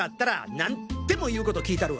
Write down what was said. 何でも言うコト聞いたるわ！